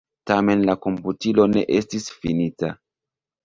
Tamen la komputilo ne estis finita.